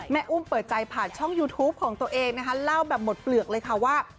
อุ้มเปิดใจผ่านช่องยูทูปของตัวเองนะคะเล่าแบบหมดเปลือกเลยค่ะว่า